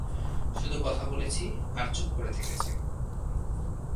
শুধু কথা বলেছি আর চুপ করে থেকেছি।